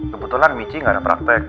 kebetulan michi gak ada praktek